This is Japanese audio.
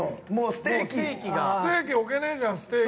ステーキ置けねえじゃんステーキ。